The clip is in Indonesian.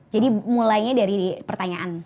jadi mulainya dari pertanyaan